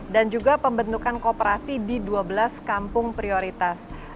dan juga pembentukan kooperasi di dua belas kampung prioritas